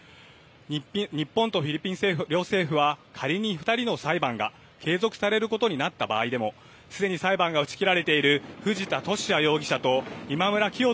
日本とフィリピン政府、両政府は仮に２人の裁判が継続されることになった場合でもすでに裁判が打ち切られている藤田聖也容疑者と今村磨人